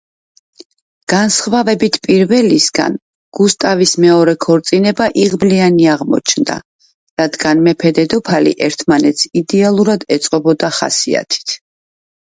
განსხვავებით პირველისგან, გუსტავის მეორე ქორწინება იღბლიანი აღმოჩნდა, რადგან მეფე-დედოფალი ერთმანეთს იდეალურად ეწყობოდა ხასიათით.